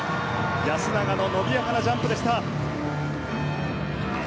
安永の伸びやかなジャンプでした。